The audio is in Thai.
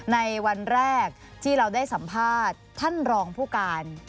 ในวันแรกที่เราได้สัมภาษณ์ท่านรองผู้การ